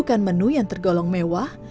rasanya luar biasa setelah tadi berkeliling